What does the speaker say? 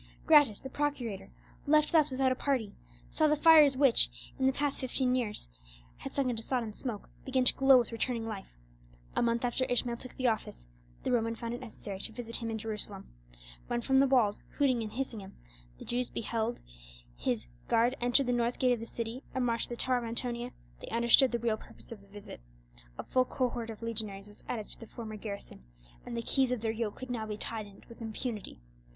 Gratus, the procurator, left thus without a party, saw the fires which, in the fifteen years, had sunk into sodden smoke begin to glow with returning life. A month after Ishmael took the office, the Roman found it necessary to visit him in Jerusalem. When from the walls, hooting and hissing him, the Jews beheld his guard enter the north gate of the city and march to the Tower of Antonia, they understood the real purpose of the visit—a full cohort of legionaries was added to the former garrison, and the keys of their yoke could now be tightened with impunity.